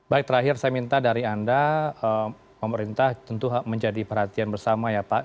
baik terakhir saya minta dari anda pemerintah tentu menjadi perhatian bersama ya pak